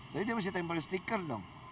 jadi dia masih tempel stiker dong